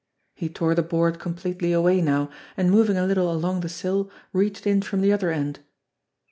He tore the board completely away now, and moving a little along the sill, reached in from the other end.